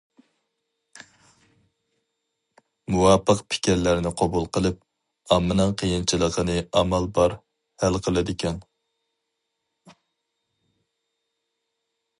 مۇۋاپىق پىكىرلەرنى قوبۇل قىلىپ، ئاممىنىڭ قىيىنچىلىقىنى ئامال بار ھەل قىلىدىكەن.